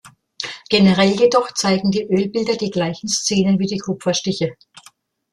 Generell jedoch zeigen die Ölbilder die gleichen Szenen wie die Kupferstiche.